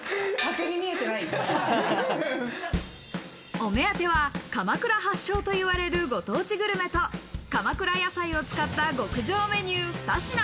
お目当ては鎌倉発祥といわれるご当地グルメと鎌倉野菜を使った極上メニュー、２品。